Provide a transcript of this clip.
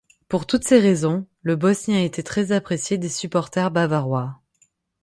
Pour toutes ces raisons, le Bosnien était très apprécié des supporters bavarois.